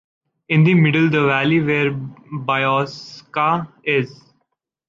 In the middle, the valley where Biosca is.